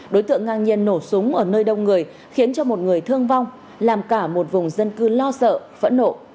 đối tượng ngang nhiên nổ súng ở nơi đông người khiến cho một người thương vong làm cả một vùng dân cư lo sợ phẫn nộ